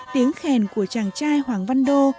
tiếng khen của chàng trai hoàng văn đô